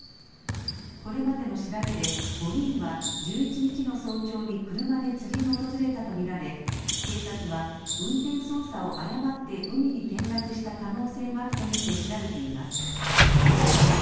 これまでの調べで５人は１１日の早朝に車で釣りに訪れたと見られ警察は運転操作を誤って海に転落した可能性があると見て調べています。